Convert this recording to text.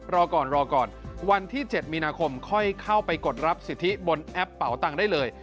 รอก่อนรอก่อนวันที่๗มีนาคมค่อยเข้าไปกดรับสิทธิบนแอปเป่าตังค์ได้เลย